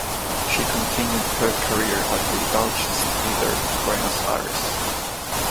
She continued her career at the Deutsches Theater Buenos Aires.